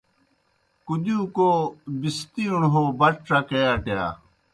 کُدِیوکو بِستِیݨوْ ہو بٹ ڇکے اٹِیا۔